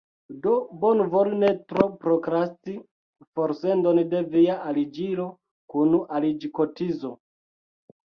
Do bonvolu ne tro prokrasti forsendon de via aliĝilo kun aliĝkotizo.